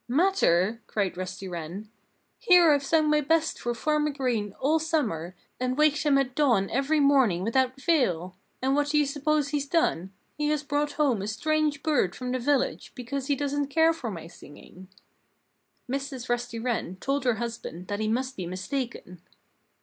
"Matter?" cried Rusty Wren. "Here I've sung my best for Farmer Green all summer, and waked him at dawn every morning without fail! And what do you suppose he's done? He has brought home a strange bird from the village, because he doesn't care for my singing." Mrs. Rusty Wren told her husband that he must be mistaken.